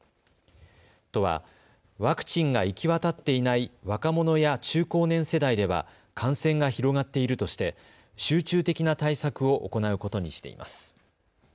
都は、ワクチンが行き渡っていない若者や中高年世代では感染が広がっているとして集中的な対策を行うことにしています。